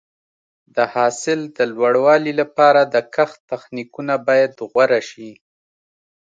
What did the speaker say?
د حاصل د لوړوالي لپاره د کښت تخنیکونه باید غوره شي.